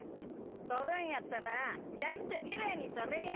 撮るんやったらなちゃんときれいに撮れや。